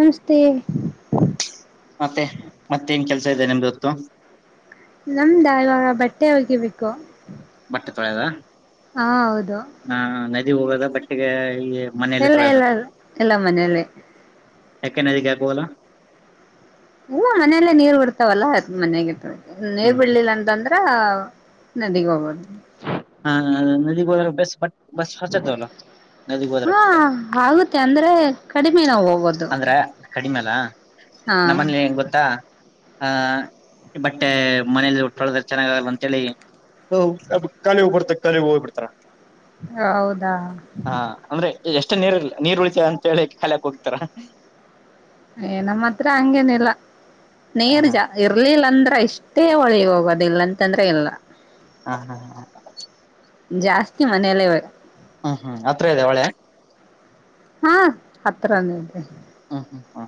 ನಮಸ್ತೆ ಮತ್ತೆ ಮತ್ತೇನ್ ಕೆಲ್ಸ ಇದೆ ನಿಮ್ದೊತ್ತು? ನಮ್ದ ಇವಾಗ ಬಟ್ಟೆ ಹೊಗಿಬೇಕು. ಬಟ್ಟೆ ತೊಳ್ಯದ ಹಾಂ ಹೌದು ಹಾಂ ನದಿಗ್ ಹೋಗದ ಬಟ್ [unintelligible] ಇಲ್ಲ ಇಲ್ಲ ಇಲ್ಲ ಇಲ್ಲ ಮನೆಲ್ಲೇ. ಯಾಕೆ ನದಿಗ್ ಯಾಕ್ ಹೋಗಲ್ಲ? ಊಂ ಮನೆಲೆ ನೀರ್ ಬಿಡ್ತಾವಲ್ಲ ಅದ್ ಮನೆಗೆ ತೊಳ್ ನೀರ್ ಹ್ಮ್ ಬಿಡ್ಲಿಲ್ಲ ಅಂತಂದ್ರ ನದಿಗ್ ಹೋಗೊದು. ಹಾಂ ನದಿಗೋದ್ರೆ ಬೆಸ್ಟ್ ಬಟ್ ಬಸ್ ಹೊಸದಲ್ಲ ನದಿಗೆ ಹೋದ್ರೆ ಬಟ್ಟೆ ಹಾಂ ಆಗುತ್ತೆ ಅಂದ್ರೆ ಕಡಿಮೆ ನಾವ್ ಹೋಗೋದು. [unintelligible] ಹಾ ನಮ್ಮನೆಲಿ ಏನ್ ಗೊತ್ತಾ ಹ ಬಟ್ಟೆ ಮನೇಲಿ ಉಟ್ಕಳದರ್ ಚೆನ್ನಾಗ್ ಆಗಲ್ಲ ಅಂತೇಳಿ ಕಲಿ ಹೋಬಿಡ್ತ ಕಲಿ ಹೋಗ್ ಬಿಡ್ತಾರ. ಹೌದಾ. ಅಂದ್ರೆ ಎಷ್ಟು ನೀರ್ ನೀರು ಉಳಿತೇವ ಅಂತ ಹೇಳಿ ಖಾಲಿಕ್ ಹೋಗ್ತಾರ. ಏಯ್ ನಮ್ಮತ್ರ ಹಂಗೇನಿಲ್ಲ. ನೀರು ಹಾ ಜಾ, ಇರ್ಲಿಲ್ಲ ಅಂದ್ರೆ. ಎಷ್ಟೇ ಒಳಿಗ್ ಹೋಗೋದಿಲ್ಲಾ ಅಂತಂದ್ರೆ ಇಲ್ಲ. ಹಾ ಹಾ ಹ. ಜಾಸ್ತಿ ಮನೆಯಲ್ಲೇ ಇವಾಗ. ಹ್ಮ್ ಹ್ಮ್ ಹತ್ರ ಇದೆ ಹೊಳೆ? ಹಾ ಹತ್ರನೇ ಇದೆ. ಹ್ಮ ಹ್ಮ್ ಹ್ಮ.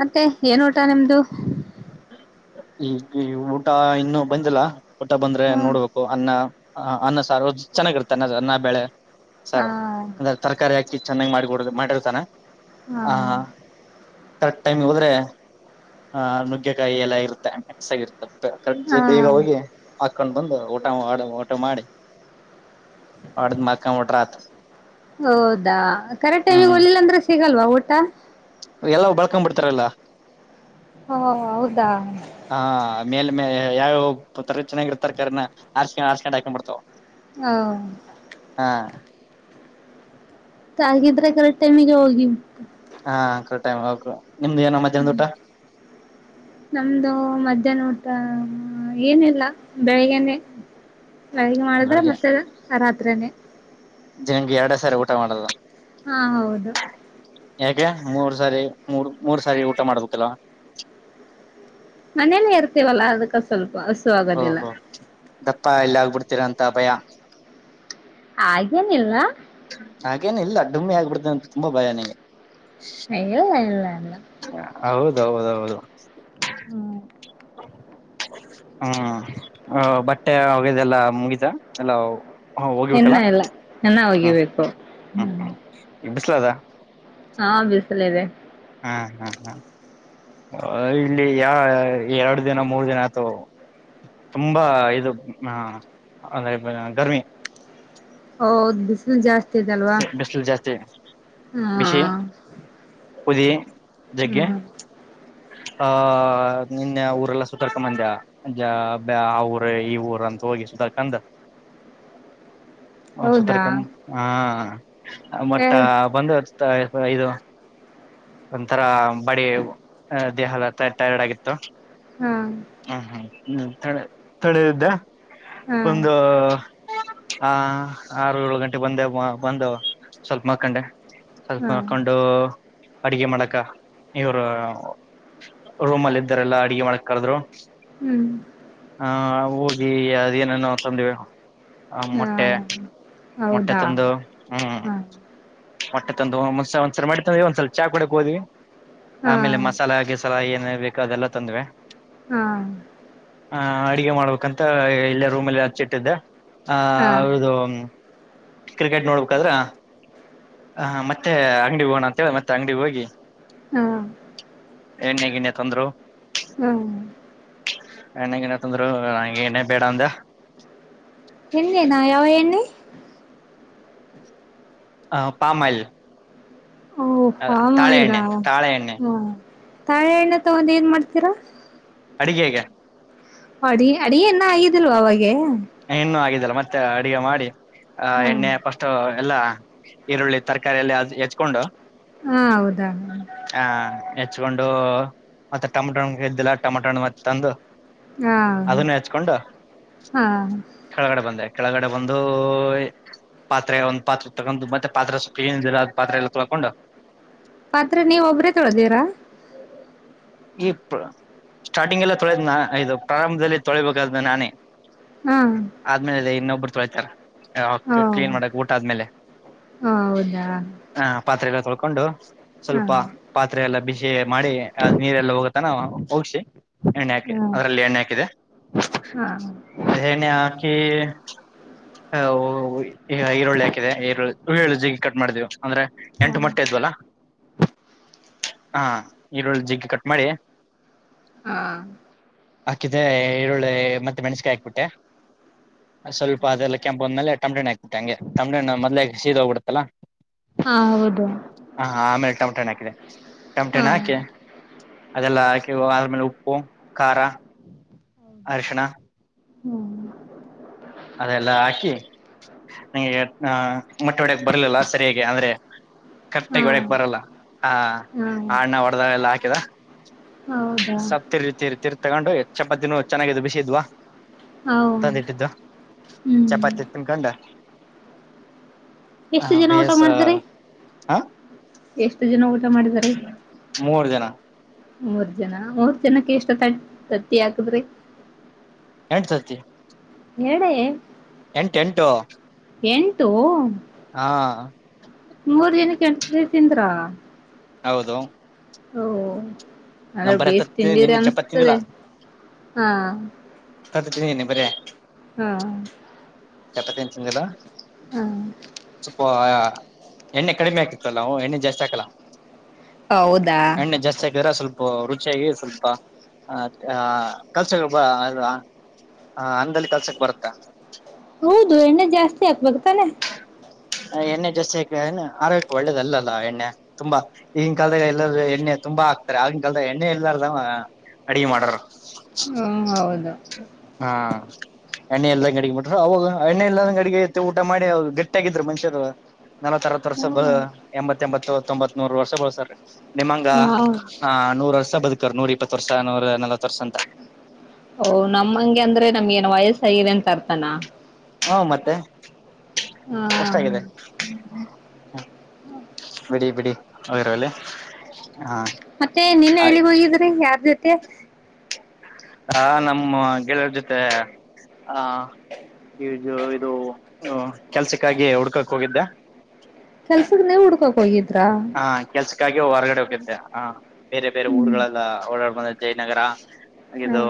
ಮತ್ತೆ ಏನ್ ಊಟ ನಿಮ್ದು? ಈಗ ಊಟ ಇನ್ನೂ ಬಂದಿಲ್ಲ. ಊಟ ಬಂದ್ರೆ ಹಾ ನೋಡ್ಬೇಕು, ಅನ್ನ ಹ, ಅನ್ನ ಸಾರು, ಚೆನ್ನಾಗಿರ್ತೆ ಅನ್ನ, ಅನ್ನ ಬೇಳೆ. ಸಾರು ಹ ಅಂದ್ರೆ ತರಕಾರಿ ಹಾಕ ಚೆನ್ನಾಗಿ ಮಾಡಿಕೊಡೋದು, ಮಾಡಿರ್ತಾನ. ಹ್ಮ. ಕರೆಕ್ಟ್ ಟೈಮ್ಗೆ ಹೋದ್ರೆ ಹ, ನುಗ್ಗೆಕಾಯಿ ಎಲ್ಲ ಇರುತ್ತೆ ಮಿಕ್ಸಗಿರ್ತದೆ. ಹಾ [unintelligible] ಬೇಗ ಹೋಗಿ ಹಾಕೊಂಡು. ಬಂದು ಊಟ ಮಾಡಿ ಓಟು ಮಾಡಿ ಹೊಡದ್ ಮಾಡ್ಕೊಂಡ್ಬಿಟ್ರ ಆತ ಹೌದಾ ಕರೆಕ್ಟ್ ಟೈಮಿಗೆ ಹೋಗ್ಲಿಲ್ಲ ಅಂದ್ರೆ ಸಿ ಸಿಗಲ್ವಾ ಊಟ? ಎಲ್ಲವು ಬಳ್ಳುಕಂ ಬಿಡ್ತಾರಲ್ಲ. ಹ ಹೌದಾ. ಹ ಮೇಲ್ ಮೇಲೆ ಎಲ್ಲಾ [unintelligible] ಚೆನ್ನಾಗಿರು ತರಕಾರಿನ ಆರ್ಸ್ಕೊಂಡ್ ಆರ್ಸ್ಕೊಂಡ ಹಾಕೊಂಡ್ ಬಿಡ್ತಾರಾ. ಹ. ಆಗಿದ್ರೆ ಕರೆಕ್ಟ್ ಟೈಮಿಗೆ ಹೋಗಿ. ಹಾ ಕರೆಕ್ಟ್ ಟೈಮಿಗೆ ಹೋಗ ಹ್ಮ್ ನಮ್ದು ಮಧ್ಯಾಹ್ನ ಊಟ ಹ ಏನಿಲ್ಲಾ. ಬೆಳಿಗ್ಗೆನೆೇ ಬೆಳಿಗ್ ಮಾಡಿದ್ರೆ ಮತ್ತೆ ರಾತ್ ತ್ರೆನೇ. ಜನ್ಗೆ ಎರಡೆ ಸಾರಿ ಊಟ ಮಾಡೋದು? ಹಾ ಹೌದು. ಯಾಕೆ ಮೂರ್ ಸಾರಿ, ಮೂಡು, ಮೂರ್ ಸಾರಿ ಊಟ ಮಾಡ್ಬೇಕಲ್ವಾ? ಮನೆಲ್ಲೇ ಇರ್ತೀವಲ್ಲ ಅದಕ್ಕ ಸ್ವಲ್ಪ ಹಸು ಆಗೋದಿಲ್ಲ ಓಹೋ, ದಪ್ಪ ಎಲ್ಲ ಆಗ್ಬಿಡ್ತೀರಂತ ಭಯ ಹಾಗೇನಿಲ್ಲ. ಹಾಗೇನು ಇಲ್ಲ ಡುಮ್ಮಿ ಆಗ್ಬಿಡ್ತೀನಿ ಅಂತ ತುಂಬಾ ಭಯ ನಿಂಗೆ. ಹಂಗೆಲ್ಲ ಇಲ್ಲ ಹೌದೌದೌದು ಹ್ಮ್. ಹ್ಮ ಬಟ್ಟೆ ಒಗ್ಯದೆಲ್ಲ ಮುಗಿತ ಎಲ್ಲವ್ ಇನ್ನ ಇಲ್ಲ ಇನ್ನ ಓಗಿಬೇಕು. ಸ್ಲದ ಹಾ ಬಿಸ್ ಲಿವೆ. ಹಾ ಹಾ ಹಾ ಅ ಇಲ್ಲಿ ಯ ಎರಡ್ ದಿನ ಮೂರ್ ದಿನ ಆಯ್ತವ್ ಅವು ತುಂಬಾ ಇದು ಹ ಅಂದ್ರೆ ಗರ್ಮಿ. ಹೌದು ಬಿಸ್ ಜಾಸ್ತಿ ಇದಲ್ವಾ ಬಿಸಿಲು ಜಾಸ್ತಿ ಹಾ ಪುದಿ ಹ್ಮ್ ಹ್ಮ ಆ ನಿನ್ನೆ ಊರೆಲ್ಲ ಸುತ್ತಡ್ ಮಂದ ಜಾಬೆ ಆ ಊರ ಈ ಊರ ಅಂಥೋಗಿ ಸುತ ಕಂದ ಹ ಹೌದಾ ಸುತ್ತಾಡ್ಕಂ ಹಾ ಹ ಮಟ್ಟ ಬಂದಚ್ ತ ಫ ಇದು ಒಂಥರ ಬಡೆ ದೇಹಾಲ ತ ಟಯರ್ಡ್ ಆಗಿತ್ತು ಹ್ಮ್ ಹ್ಮ್ ಹ್ಮ್ ತಣ್ ತಣದಿದ್ದ ಹಾ ಒಂದು ಹಾ ಆರ್ ಏಳು ಗನ್ ಟೆ ಬಂದೇ ಬಂದವ ಸ್ವಲ್ಪ ಮಕೊಂಡೆ ಸ್ವಲ್ಪ್ ಹಾ ಮಕೊಂಡು ಅಡಿಗೆ ಮಾಡಕ ಇವರು ರೂಮಲ್ ಇದ್ದರೆಲ್ಲಾ ಅಡಗೆ ಮಾಡಕ್ ಕರೆದ್ರು. ಹ್ಮ್ ಹಾ ಊ ರಲ್ಲಿ ಅದೇನೇನೋ ತಂದ್ವಿ. ಮೊಟ್ಟೆ ಹಾಮ್ ಮೊಟ್ಟೆ ತಂದು ಹ್ಮ್ ಮಟ್ಟೆ ತಂದು ಒಂದ್ಸ ಒಂದ್ಸಲ ಮ ಮಾಡಿ ತಂದ್ ಒಂದ್ಸಲಿ ಚಾ ಕುಡ್ಯಕ್ ಹೋದ್ವಿ. ಹಾ ಆಮೇಲೆ ಮಸಾಲ ಗಿಸಾಲ ಏನೇನ್ಬೇಕ್ ಕ ಅದೆಲ್ಲ ತಂದ್ವಿ ಹ್ಮ ಆ ಅಡುಗೆ ಮಾಡ್ಬೇಕಂತ ಇಲ್ಲ ರೂಮ್ನಲ್ಲಿ ಹಚ್ಚಿಟ್ಟಿದ್ದೇ ಹಾ ಹೌದು ಕ್ರಿಕೆಟ್ ನೋಡ್ಬೇಕಾದ್ರೆ ಹ ಮತ್ತೆ ಅಂಗಡಿ ಹೋಗಣ ಅಂತ ಹೇಳಿ ಮತ್ತೆ ಅಂಗಡಿಗೆ ಹೋಗಿ ಹಾ ಎಣ್ಣೆ ಗಿಣ್ಣೆ ತಂದ್ರು ಹ್ಮ್ [unintelligible] ನ ತಂದ್ರು ನಂಗೆ ಏನೇ ಬೇಡ ಅಂದ ಎಣ್ಣೆನ ಯಾವ ಎಣ್ಣಿ ಆ ಪಾಮಯಿಲ್ ಓ ಪಾಮಆಯಿಲ್ ಆ ತಾಳೆ ಎಣ್ಣೆ ತಾಳೆ ಎಣ್ಣೆ ತಗೊಂಡ ಏನ್ ಮಾಡ್ತೀರಾ ಅಡಿಗೆಗೆ ಅಡಿಗೆ ಇನ್ನ ಆಗಿದ್ಲ ಅವಾಗೆ ಇನ್ನೂ ಆಗಿದಲ್ಲ ಮತ್ತೆ ಅಡಿಗೆ ಮಾಡಿ ಆ ಹಾ ಎಣ್ಣೆ ಫಸ್ಟ ಎಲ್ಲ ಈರುಳ್ಳಿ ತರಕಾರಿಯ ಎಲ್ಲ ಅ ಹೆಚ್ಕೊಂಡು ಹಾ ಹೌದ ಆ ಹೆಚ್ಕೊಂಡು ಮತ್ತೆ ಟಮಾಟೋಗೆದ್ದಿಲ್ಲ ಟಮಾಟೋಣ ಮತ್ತು ತಂದು ಹಾ ಅದನ್ನ ಹೆಚ್ಕೊಂಡು ಹಾ ಕೆಳಗಡೆ ಬಂದೆ ಕೆಳಗಡೆ ಬಂದು ಪಾತ್ರೆ ಒಂದ್ ಪಾತ್ರೆ ತಗೊಂಡು ಮತ್ತೆ ಪಾತ್ರೆ ಸೊಪ್ಪ ಏನ ಇದಿಲ್ಲ ಅ ಪಾತ್ರೆ ಎಲ್ಲ ತೊಳ್ಕೊಂಡು ಪಾತ್ರ ನೀವು ಒಬ್ರೇ ತೊಳ್ದಿರಾ ಇತ್ತು ಸ್ಟಾರ್ಟಿಂಗ್ ಎಲ್ಲ ತೊಳೆದ್ ಇದು ಪ್ರಾರಂಭದಲ್ಲಿ ತೊಳಿಬೇಕಾದ್ಮ ನಾನೇ ಹಾ ಆದ್ಮೇಲೆ ಇನ್ನೊಬ್ಬರ್ ತೊಳಿತರ ಹೌ ಕ್ಲೀನ್ ಮಾಡಕ್ ಊಟ ಆದ್ಮೇಲೆ ಹೌದಾ ಹ ಪಾತ್ರೆ ಹಕೊಂಡು [inaudible] ಹಾ ಸ್ವಲ್ಪ ಪಾತ್ರೆ ಎಲ್ಲ ಬಿಸಿ ಮಾಡಿ ನೀರೆಲ್ಲ ಹೋಗತನ ಹೋಗಸಿ ಎಣ್ಣೆ ಹಾಕಿ ಹಾ ಅದರಲ್ಲಿ ಎಣ್ಣೆ ಹಾಕಿದೆ ಹಾ ಎಣ್ಣೆ ಹಾಕಿ ಈಗ ಈರುಳ್ಳಿ ಹಾಕಿದೆ ಈರುಳ್ಳಿ ಈರುಳ್ಳು ಜಗ ಕಟ್ ಮಾಡ್ದೀವು ಅಂದ್ರೆ ಹಾ ಎಂಟು ಮೊಟ್ಟೆ ಇದ್ವಲ್ಲ ಹಾ ಈರುಳ್ಳ ಜಿಗಿ ಕಟ್ ಮಾಡಿ ಹಾ ಹಾಕಿದ ಈರುಳ್ಳಿ ಮತ್ತೆ ಮೆಣಸಕಾಯಿ ಹಾಕ್ಬಿಟ್ಟೆ ಸ್ವಲ್ಪ ಅದೆಲ್ಲ ಕೆಂಪ ಬಂದ್ಮೇಲೆ ಟೊಮೊಟೊ ಹಾಕ್ಬಿಟ್ಟೆ ಹಂಗೆ ಮೊದಲೇ ಸಿದ್ ಹೋಗ್ಬಿಡುತಲ್ಲ ಹಾ ಹೌದು [unintelligible] ಹಾಕಿದೆ ಟಮಟ ಹಾ ಹಣ್ಣ್ ಹಾಕಿ ಅದೆಲ್ಲ ಹಾಕಿ ಆದ್ಮೇಲೆ ಉಪ್ಪು ಖಾರ ಅರಿಶಿಣ ಹ್ಮ ಅದೆಲ್ಲ ಹಾಕಿ ನಂಗೆ ಮೊಟ್ಟೆ ಒಡ್ಯಕ್ ಬರ್ಲಿಲ್ಲ ಸರಿಯಾಗಿ ಅಂದ್ರೆ ಹಾ ಕರೆಕ್ಟಾಗ್ ಒಡ್ಯಕ್ ಬರಲ್ಲ. ಹಾ ಹಾ ಆ ಅಣ್ಣ ಓಡ್ ಅದ್ರಾಗ ಎಲ್ಲ ಹಾಕಿದ ಹೌದಾ ಸಪ್ಪತಿರ್ತಿರಿತಿರ್ ತಗೊಂಡು ಚಪಾತಿನೂ ಚೆನ್ನಾಗಿದ್ ಬಿಸಿದ್ವ ಹೌ ಚಪಾತಿ ತಿನ್ಕೊಂಡು ಎಷ್ಟು ಜನ ಊಟ ಮಾಡ್ದ್ರಿ ಹ ಎಷ್ಟು ಜನ ಊಟ ಮಾಡಿದ್ರಿ. ಮೂರ್ ಜನ ಮೂರ್ ಜನ ಮೂರ್ ಜನಕ್ಕೆ ಯಷ್ಟ್ ತತ್ ತತ್ತಿ ಅಕುದ್ರಿ. ಎರಡ್ ತತ್ತಿ ಎರಡೇ ಎಂಟ್ ಎಂಟು ಎಂಟು ಹಾ ಕೆಂಟ್ ನೆ ತಿಂದ್ರಾ? ಹೌದು ಓ ಹ್ ನಾ ಅಂದ್ರೆ ಬರ ಬೇಸ್ ತತ್ತಿ ತಿಂದೀರಿ ನಿನ್ನ ಚಪಾತಿ ತಿಂದಿಲ್ಲ ಅನ್ಸ್ತದೆ ಹಾ ತತ್ತಿ ತಿಂದಿನಿ ಬರೇ ಹ್ಮ ಚಪಾತಿ ಏನ್ ತಿಂದಿಲ್ಲ. ಸಪ್ಪ್ ಪೊಯ ಎಣ್ಣೆ ಕಡಿಮೆ ಆಗ್ತಿತ್ತಲ್ಲ ನಾವೂ ಎಣ್ಣೆ ಜಾಸ್ತಿ ಹಾಕಲ್ಲ. ಹೌದಾ ಎಣ್ಣೆ ಜಾಸ್ತಿ ಹಾಕಿರ ಸ್ವಲ್ ರುಚಿಯಾಗಿ ಸ್ವಲ್ಪ ಆ ಕಲ್ಸಕ್ ಬರ್ ಅನ್ನದಲ್ಲಿ ಕಲ್ಸಕ್ ಬರುತ್ತೆ. ಹೌದು ಎಣ್ಣೆ ಜಾಸ್ತಿ ಆಕ್ಬದು ತಾನೆ ಎಣ್ಣೆ ಜಾಸ್ತಿ ಹಾಕ್ಯನ ಆರೋಗ್ಯಕ ಒಳ್ಳೇದ ಅಲ್ಲಲ್ಲ ಎಣ್ಣೆ ತುಂಬಾ ಈಗಿನ್ ಕಾಲದಾಗ್ ಎಲ್ಲಾರೂ ಎಣ್ಣೆ ತುಂಬಾ ಹಾಕ್ತಾರೆ ಆಗಿನ ಕಾಲದ ಎಣ್ಣೆ ಎಲ್ಲಾರ್ದ ಅಡಗೆ ಮಾಡರು. ಹ್ಮ ಹೌದು ಹಾ ಎಣ್ಣೆ ಇಲ್ಲದಂಗ ಅಡಿಗೆ ಬಿಟ್ರ ಅವಾಗ ಎಣ್ಣೆ ಎಲ್ಲಂಗ ಅಡಿಗೆತ್ತ ಊಟ ಮಾಡಿ ಗಟ್ಟಿಯಾಗಿದ್ರು ಮನಷ್ಯರು. ನಲವ ಅರತ್ ವರ್ಸ ಬ ಹ್ಮ್ ಎಂಬತ್ ತ್ತ ಎಂಬತ್ತು ತೊಂಬತ್ ನೂರ್ ವರ್ಷ ಬಳಸ್ಯರಿ. ನಿಮ್ಮಂಗ ಹಾ ಹ ನೂರಷ್ ಸ ಬದುಕ್ತಾರ್, ನೂರ್ ಇಪ್ಪತ್ತು ವರ್ಷ ನೂರ ನಲವತ್ ವರ್ಷ ಅಂತ. ಓ ನಮ ಹಂಗೆ ಅಂದ್ರೆ ನಮ್ಗ ಏನ್ ವಯಸ್ಸಗದೆ ಅಂತ ಅರ್ಥನ. ಹಾ ಮತ್ತೆ ಅಷ್ಟಾಗಿದೆ. ಹ ಬಿಡಿ ಬಿಡಿ ಹೋದ್ರೆಹೋಗ್ಲಿ. ಮತ್ತೆ ನಿನ್ನೆ ಎಲ್ಲಿಗೋಗಿದ್ರಿ ಯಾರ್ ಜೊ ಕ್ಕೆ ಹ ನಮ್ಮ ಗೆಳೆಯರ ಜೊತೆ ಆ ಈಜು ಇದು ಕೆಲ್ಸಕ್ಕಾಗಿ ಹುಡ್ಕಕ್ ಹೋಗಿದ್ದೆ. ಕೆಲ್ಸಕ್ಕೆ ನೀ ಹುಡುಕೋಕೋಗಿದ್ ಹಾ ಕೆಲ್ಸ್ ಹಾಗಿ ಹೊರ್ಗಡೆ ಹೋಗಿದ್ದೆ, ಹ ಬೇರೆ ಬೇರೆ ಹ್ಮ್ ಊರ್ಗಳೆಲ್ಲ ಓಡಾಡ್ ಅ ಜಯನಗರ ಹಾ ಅಗಿದು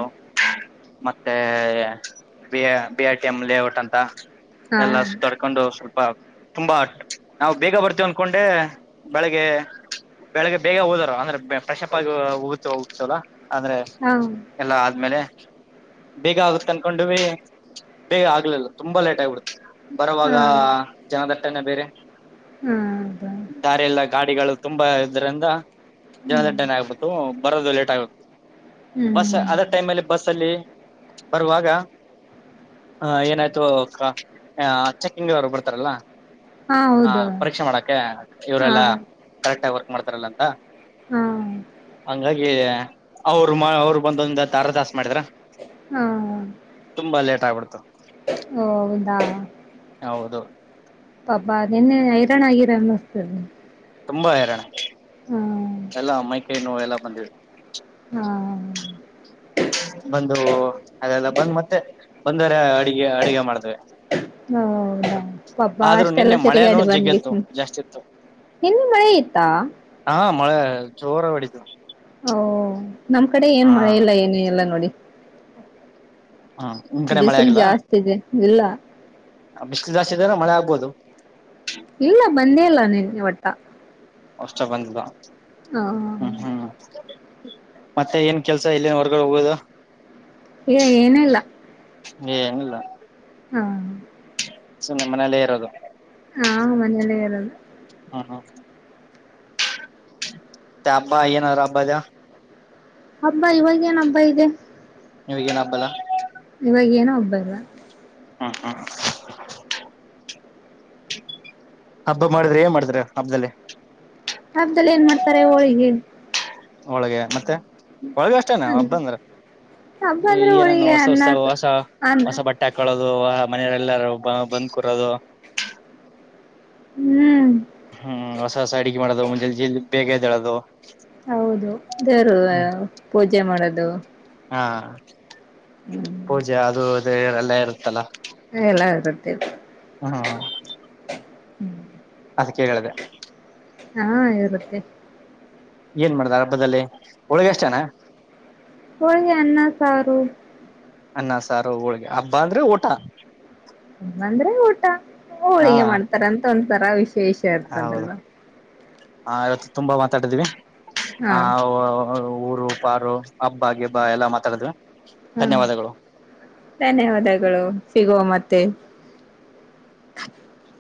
ಮತ್ತೆ B I BA T M layout ಅಂತ. ಹಾ ಎಲ್ಲಾ ತೊಡ್ಕೊಂಡು ಸ್ವಲ್ಪ ತುಂಬಾ, ನಾವು ಬೇಗ ಬರ್ತೇವ್ ಅನ್ಕೊಂಡೆ ಬೆಳಿಗ್ಗೆ, ಬೆಳಿಗ್ಗೆ ಬೇಗ ಹೋದಾರ ಅಂದ್ರೆ ಫ್ರೆಶ್ ಅಪ್ ಆಗಿ ಹೋಗತ ಹಗ್ತವಲ್ಲ ಅಂದ್ರೆ ಹಾ ಎಲ್ಲಾ ಆದ್ಮೇಲೆ ಬೇಗ ಆಗುತ್ತ ಅನ್ಕೊಂಡುವಿ, ಬೇಗ ಆಗ್ಲಿಲ್ಲ ತುಂಬಾ ಲೇಟ್ ಆಗ್ಬಿಡುತ್ತೆ ಬರವಾಗ ಹಾ ಜನದಟ್ಟಣೆ ಬೇರೆ. ಹಾ ಹೌದಾ ದಾರಿ ಎಲ್ಲ ಗಾಡಿಗಳು ತುಂಬಾ ಇದರಿಂದ ಹ್ಮ್ ಜನದಟ್ಟನೆ ಆಗ್ಬುಟ್ಟು ಬರೋದು ಲೇಟ್ ಆಗುತ್, ಬಸ್ ಹ್ಮ್ ಅದ ಟೈಮ್ ಅಲ್ಲಿ ಬಸ್ ಅಲ್ಲಿ ಬರುವಾಗ ಏನಾಯ್ತು ಅ ಚೆಕಿಂಗ್ ಅವ್ರು ಬರ್ತಾರಲ್ಲ ಹಾ ಪರೀಕ್ಷೆ ಮಾಡಕ್ಕೆ ಹಾ ಕರೆಕ್ಟಾಗಿ ವರ್ಕ್ ಮಾಡ್ತಾರಲ್ಲ ಅಂತ, ಹಾ ಹಂಗಾಗಿ ಅವರು ಅವರು ಬಂದೊಂದ ಅರ್ಧ ತಾಸು ಮಾಡಿದ್ರ, ಹಾ ತುಂಬಾ ಲೇಟ್ ಆಗ್ಬಿಡ್ತು. ಓ ಹೌದಾ, ಹಾ ಹೌದು. ಪಾಪಾ ನಿನ್ನೆ ಹೈರಾಣ ಆಗಿರ ಅನ್ನುಸ್ತದೆ. ತುಂಬಾ ಹೈರಾಣ. ಎಲ್ಲ ಮ್ಮೈ ಕೈ ನೋವೆಲ್ಲ. ಎಲ್ಲ ಬಂದಿ ಹ್ಮ ಬಂದು ಅದೆಲ್ಲ ಬಂದ್ ಮತ್ತೆ ಒಂದರೆ ಅಡುಗೆ ಅಡುಗೆ ಮಾಡ್ತೆವೆ. ಹಾ ಹೌದಾ ಪಬ್ಬಾ ಅಷ್ಟೆಲ್ಲ ನಿನ್ನೆ ಮಳೆನೂ ತಿರುಗಾಡಿ ಜಗ್ಗತ್ತು ಬಂದಿರಿ, ಜಾಸ್ತಿ ಇತ್ತು ಇಲ್ಲಿ ಮಳೆ ಇತ್ತ? ಹಾ ಮಳೆ ಜೋರ ಒಡಿತು‌ ಓ ನಮ್ ಕಡೆ ಏನ್ ಮಳೆ ಇಲ್ಲ ಏನು ಎಲ್ಲ ನೋಡಿ ಹಾ ನಿಮ್ ಕಡೆ ಮಳೆ ಬಿಸಿಲು ಆಗಿಲ್ಲ ಜಾಸ್ತಿ ಇದೆ ಇಲ್ಲ ಬಿಸಿಲು ಜಾಸ್ತಿ ಇದ್ರೆ ಮಳೆ ಆಗ್ಬೋದು ಲಾ ಅಷ್ಟ ಬಂದಿಲ್ಲ ಹ್ಮ ಹ್ಮ್ ಮತ್ತೆ ಏನ್ ಕೆಲ್ಸ ಇಲ್ಲಿ ಹೊರ್ಗಡೆ ಹೋಗುದು ಏ ಏನ ಇಲ್ಲ ಏನಿಲ್ಲ ಹಾ ಸುಮ್ಮನೆ ಮನೇಲ್ಲೇ ಇರೋದು ಹಾ ಮನೆಯಲ್ಲಿ ಇರದು ಹಾ ಹಾ ತ್ಯಬ್ಬಾ ಆನ ಅಬ್ಬದ ಹಬ್ಬ ಇವಾಗೇಏನ ಹಬ್ಬ ಇದೆ ನೀವ್ಗೇನ್ ಹಬ್ಬಲ್ಲಾ [inaudible] ಇವಾಗ ಏನ ಹಬ್ಬ ಇಲ್ಲ ಹ್ಮ್ ಹ್ಮ ಹಬ್ಬ ಮಾಡಿದ್ರೆ ಏನ್ ಮಾಡಿದ್ರ ಹಬ್ಬದಲ್ಲಿ ಹಬ್ಬದಲ್ಲಿ ಏನ್ ಮಾಡ್ತಾರೆ ಹೋಳಿಗೆ ಹೋಳಿಗೆ ಮತ್ತೆ ಒಳಗ ಅಷ್ಟೇನೆ ಒಬ್ಬಂದ್ರ ಹಬ್ಬ ಅಂದ್ರೆ ಏನೇನು ಹೋಳಿಗೆ ಹೊಸ ಅನ್ನ ಹೊಸತ ಹೊಸ ಅನ್ನ ಹೊಸ ಬಟ್ಟೆ ಹಾಕಳೋದು ಹೊ ಮನೆಯರೆಲ್ಲಾರೂ ಬ ಬಂದ್ಕೂರದು ಹ್ಮ್ ಹ್ಮ್ ಹೊಸ ಅಡಿಗೆ ಮಾಡೋದು ಮುಂಜೆಲಿ ಬೇಗ ಎದ್ದೇಳೋದು ಹೌದು ದೇವ್ರು ಪೂಜೆ ಮಾಡದು ಹಾ ಪೂಜೆ ಅದು ತೆರೆಲ ಇರುತ್ತಲ್ಲಾ ಎಲ್ಲ ಇರುತ್ತೆ ಹಾ ಹ್ಮ್ ಅದಕ್ಕೆ ಹೇಳಿದೆ ಹಾ ಇರುತ್ತೆ ಏನ್ ಮಾಡ್ದ ಹಬ್ಬದಲ್ಲಿ ಹೋಳಿಗೆ ಅಷ್ಟನಾ ಹೋಳಿಗೆ ಅನ್ನ ಸಾರು ಅನ್ನ ಸಾರು ಹೋಳ್ಗೆ ಹಬ್ಬ ಅಂದ್ರೆ ಊಟ ಇಂದ್ರೆ ಊಟ ಹಾ ಹೋಳಿಗೆ ಮಾಡ್ತಾರಂತ ಒಂದ ತರಾವಿಸ ಶೇಷ ಇರ್ತದೆಲ್ಲ ಹಾ ಇವತ್ತು ತುಂಬಾ ಮಾತಾಡಿದೀವಿ ಹಾ ಅವ್ ವೊ ವ್ ಊರು ಪಾರು ಹಬ್ಬ ಗಿಬ್ಬ ಹ್ಮ್ ಎಲ್ಲಾ ಮಾತಾಡಿದ್ವಿ ಹ್ಮ್ ಧನ್ಯವಾದಗಳು. ಧನ್ಯವಾದಗಳು ಸಿಗುವ ಮತ್ತೆ. [inaudible]